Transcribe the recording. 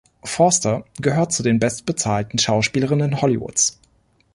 Foster gehört zu den bestbezahlten Schauspielerinnen Hollywoods.